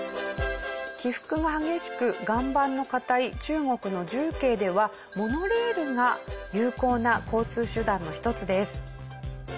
起伏が激しく岩盤の固い中国の重慶ではモノレールが有効な交通手段の一つです。